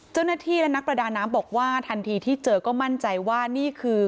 เจ้าหน้าที่และนักประดาน้ำบอกว่าทันทีที่เจอก็มั่นใจว่านี่คือ